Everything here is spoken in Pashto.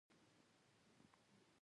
وچو مېوو ښکلې ښکلې هټۍ وې.